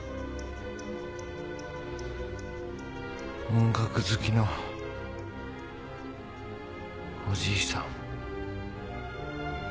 音楽好きのおじいさん。